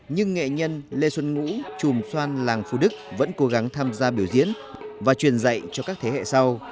nhưng nghệ nhân lê xuân ngũ chùm xoan làng phú đức vẫn cố gắng tham gia biểu diễn và truyền dạy cho các thế hệ sau